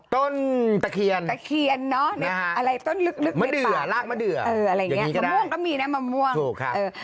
ต้นตะเคียนตะเคียนเนอะต้นลึกในปากมะเดือมะม่วงก็มีเนี่ย